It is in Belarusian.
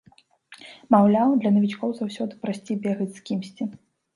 Маўляў, для навічкоў заўсёды прасцей бегаць з кімсьці.